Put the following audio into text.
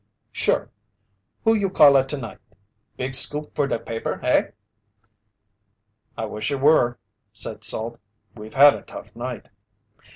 "Sure. Who you calla tonight? Big scoop for de paper, eh?" "I wish it were," said Salt. "We've had a tough night."